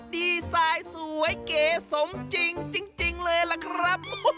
ดีไซน์สวยเก๋สมจริงจริงเลยล่ะครับ